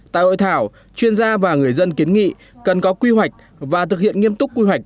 tại hội thảo chuyên gia và người dân kiến nghị cần có quy hoạch và thực hiện nghiêm túc quy hoạch